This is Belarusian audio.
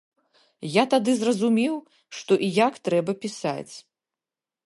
Я тады зразумеў, што і як трэба пісаць.